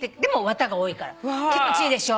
気持ちいいでしょ？